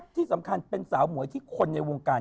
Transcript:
ชุดลายเสือของคุณ